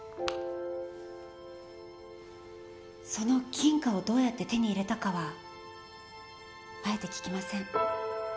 その金貨をどうやって手に入れたかはあえて聞きません。